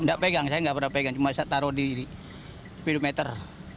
nggak pegang saya nggak pernah pegang cuma saya taruh di speedometer